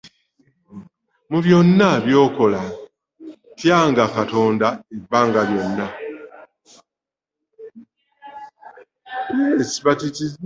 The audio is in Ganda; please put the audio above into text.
Mu byonna by'okola tya nga Katonda ebbanga lyonna.